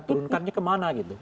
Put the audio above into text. turunkannya kemana gitu